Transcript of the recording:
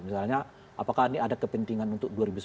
misalnya apakah ini ada kepentingan untuk dua ribu sembilan belas